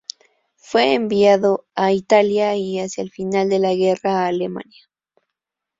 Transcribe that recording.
Fue enviado a Italia, y hacia el final de la guerra a Alemania.